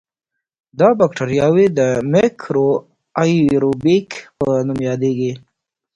دا بکټریاوې د میکرو آئیروبیک په نوم یادیږي.